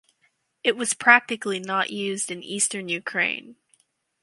It was practically not used in Eastern Ukraine.